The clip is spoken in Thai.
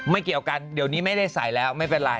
เกี่ยวกันเดี๋ยวนี้ไม่ได้ใส่แล้วไม่เป็นไร